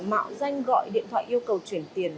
mạo danh gọi điện thoại yêu cầu chuyển tiền